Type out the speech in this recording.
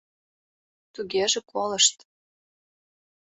— Тугеже колышт.